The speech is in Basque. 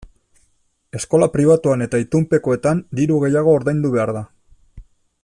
Eskola pribatuan eta itunpekoetan diru gehiago ordaindu behar da.